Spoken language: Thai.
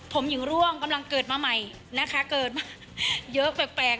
ผมหญิงร่วงกำลังเกิดมาใหม่นะคะเกิดมาเยอะแปลก